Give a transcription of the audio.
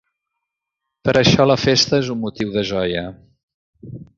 Per això la festa és un motiu de joia.